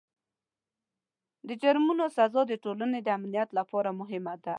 د جرمونو سزا د ټولنې د امنیت لپاره مهمه ده.